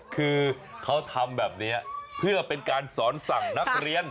คือเขาทำแบบนี้เพื่อเป็นการสอนสั่งนักเรียน